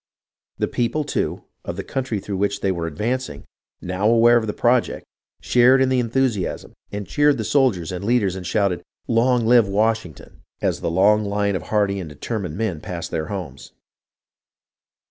The people, too, of the country through which they were advancing, now aware of the project, shared in the enthusiasm and cheered the soldiers and leaders and shouted, " Long live Washington ! "as the long line of hardy and determined men passed their homes.